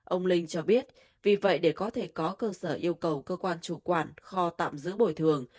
ông linh cho biết vì vậy để có thể có cơ sở yêu cầu cơ quan chủ quản kho tạm giữ bồi thường